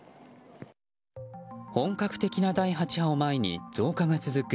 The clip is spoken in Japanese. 本格的な第８波を前に増加が続く